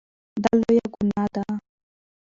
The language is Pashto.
دا لویه ګناه ده.